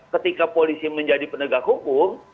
ketika polisi menjadi penegak hukum